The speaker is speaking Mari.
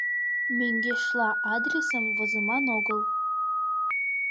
Мӧҥгешла адресым возыман огыл.